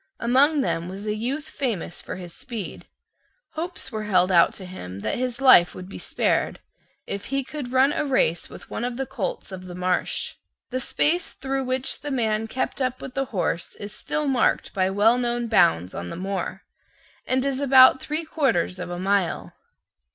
Among them was a youth famous for his speed. Hopes were held out to him that his life would be spared If he could run a race with one of the colts of the marsh. The space through which the man kept up with the horse is still marked by well known bounds on the moor, and is about three quarters of a mile.